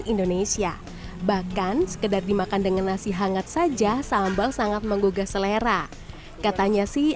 indonesia bahkan sekedar dimakan dengan nasi hangat saja sambal sangat menggugah selera katanya sih